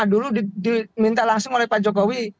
dulu diminta langsung oleh pak jokowi